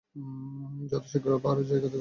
যত শীঘ্র পার জায়গা দেখ।